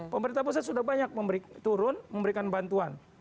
pemerintah pusat sudah banyak turun memberikan bantuan